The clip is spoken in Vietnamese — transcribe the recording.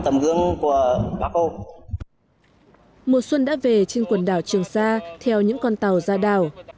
mùa xuân đã về trên quần đảo trường sa theo những con tàu ra đảo